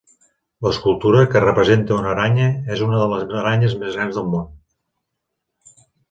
L’escultura, que representa una aranya, és una de les aranyes més grans del món.